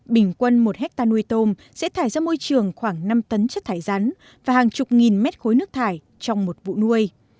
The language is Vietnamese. bình quân một hectare nuôi tôm sẽ thải ra môi trường khoảng năm tấn chất thải rắn và hàng chục nghìn mét khối nước thải trong một vụ nuôi